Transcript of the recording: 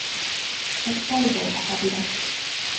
北海道赤平市